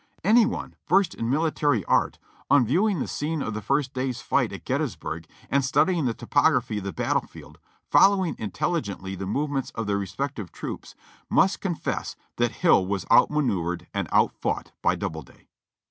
Anv one versed in militarv art, on viewing the scene of the first day's fight at Gettysburg and studying the topography of the battle field, following intelligently the movements of the respective troops, must confess that Hill was out manoeuvred and out fought by Doubleday.